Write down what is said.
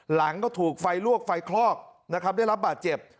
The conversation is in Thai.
หลังก็ถูกไฟลวกไฟคลอกนะครับได้รับบาดเจ็บ